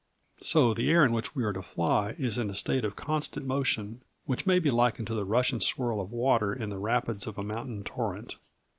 So the air in which we are to fly is in a state of constant motion, which may be likened to the rush and swirl of water in the rapids of a mountain torrent.